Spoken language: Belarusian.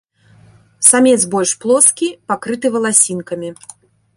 Самец больш плоскі, пакрыты валасінкамі.